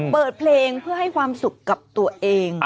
เปิดเพลงเพื่อให้ความสุขกับตัวเอง